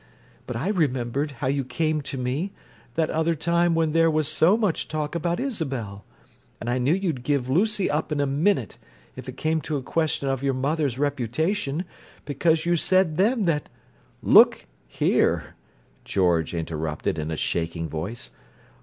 But I remembered how you came to me, that other time when there was so much talk about Isabel; and I knew you'd give Lucy up in a minute, if it came to a question of your mother's reputation, because you said then that—" "Look here," George interrupted in a shaking voice.